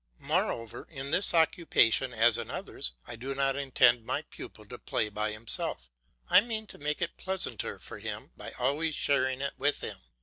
Moreover, in this occupation as in others, I do not intend my pupil to play by himself; I mean to make it pleasanter for him by always sharing it with him.